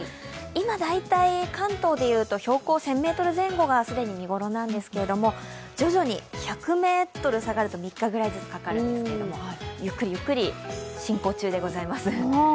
今、大体関東で言うと標高１０００ｍ前後が既に見頃なんですけど、徐々に１００ｍ下がると３日ずつかかるんですけどゆっくりゆっくり進行中でございます。